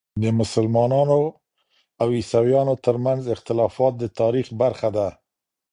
د مسلمانو او عیسویانو ترمنځ اختلافات د تاریخ برخه ده.